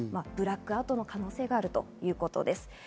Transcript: ブラックアウトの可能性があるということです。